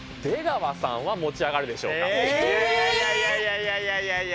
いやいやいやいや。